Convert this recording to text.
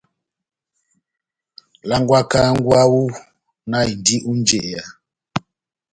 Langwaka hángwɛ wawu náh indi ó njeya.